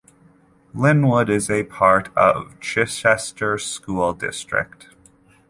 Linwood is a part of Chichester School District.